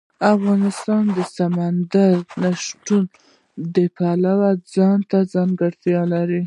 افغانستان د سمندر نه شتون د پلوه ځانته ځانګړتیا لري.